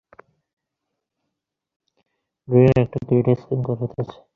আমি এই ছেলের ব্রেইনের একটা ক্যাট স্কেন করাতে চাই!